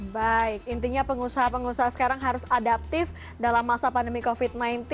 baik intinya pengusaha pengusaha sekarang harus adaptif dalam masa pandemi covid sembilan belas